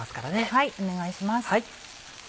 はいお願いします。